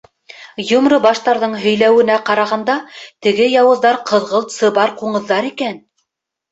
Йомро баштарҙың һөйләүенә ҡарағанда, теге яуыздар ҡыҙғылт сыбар ҡуңыҙҙар икән.